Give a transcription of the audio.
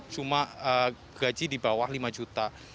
cuma gaji di bawah rp lima